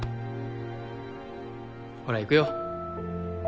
ほら行くよ。